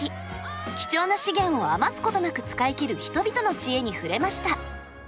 貴重な資源を余すことなく使い切る人々の知恵に触れました。